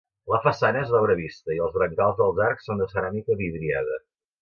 La façana és d'obra vista i els brancals dels arcs són de ceràmica vidriada.